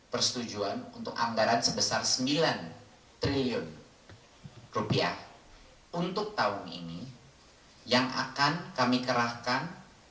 persetujuan untuk anggaran sebesar sembilan triliun rupiah untuk tahun ini yang akan kami kerahkan